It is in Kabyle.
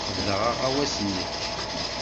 Qebleɣ aɣawas-nnek.